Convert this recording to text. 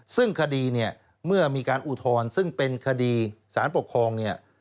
ซึ่งคดีเมื่อมีการอุทธนซึ่งเป็นคดีสารปกครอง